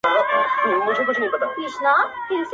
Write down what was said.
دې میدان کي د چا نه دی پوروړی!.